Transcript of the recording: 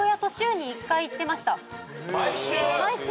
毎週？